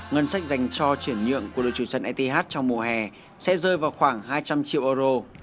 ngân sách dành cho chuyển nhượng của đội chủ sân eth trong mùa hè sẽ rơi vào khoảng hai trăm linh triệu euro